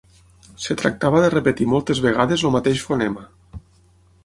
Es tractava de repetir moltes vegades el mateix fonema.